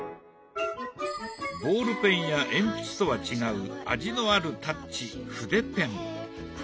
ボールペンや鉛筆とは違う味のあるタッチ筆ペン。